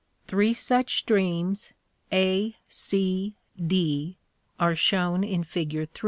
Three such streams, A, C, D, are shown in fig.